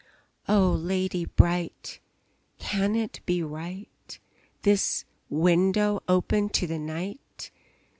Oh, lady bright! can it be right This window open to the night!